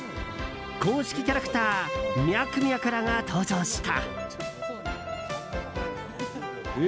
公式キャラクターミャクミャクらが登場した。